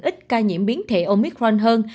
ít ca nhiễm biến thể omicron hơn